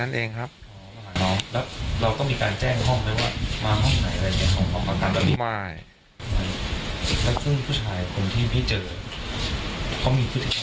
และซึ่งผู้ชายคนที่พี่เจอก็มีพฤติธรรมน่าสงสัยไหมครับคุณ